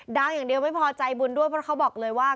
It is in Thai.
อย่างเดียวไม่พอใจบุญด้วยเพราะเขาบอกเลยว่า